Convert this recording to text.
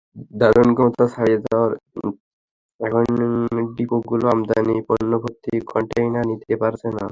ধারণক্ষমতা ছাড়িয়ে যাওয়ায় এখন ডিপোগুলো আমদানি পণ্যভর্তি কনটেইনার নিতে পারছে না।